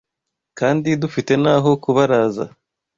kandi dufite n’aho kubaraza